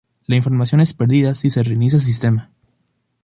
La información es perdida si se reinicia el sistema.